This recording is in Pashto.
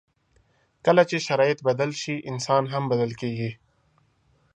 کله چې شرایط بدل شي، انسان هم بدل کېږي.